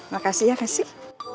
makasih ya kasih